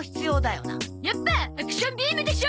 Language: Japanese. やっぱアクションビームでしょ！